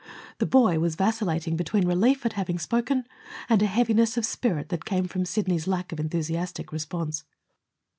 The boy was vacillating between relief at having spoken and a heaviness of spirit that came from Sidney's lack of enthusiastic response.